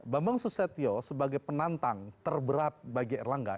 bambang susetio sebagai penantang terberat bagi erlangga